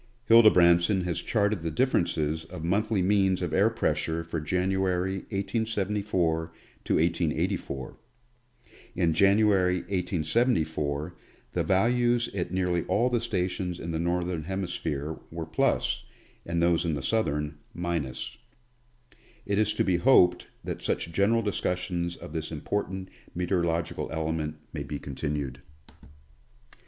Hildebrandsson has charted the differences of monthly means of air pressure for January, 1S74 to 1884. In January, 1874, the values at nearly all the stations in the Northern Hemisphere, were plus, and those in the Southern, minus. It is to be hoped that such general discussions of this important meteorological element may be continued.